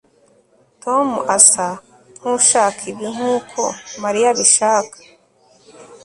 tom asa nkushaka ibi nkuko mariya abishaka